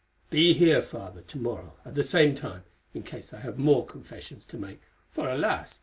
Be here, Father, to morrow at the same time, in case I have more confessions to make, for, alas!